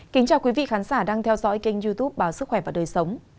chào các quý vị khán giả đang theo dõi kênh youtube báo sức khỏe và đời sống